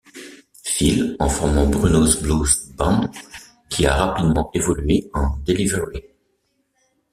Phil, en formant Bruno's Blues Band, qui a rapidement évolué en Delivery.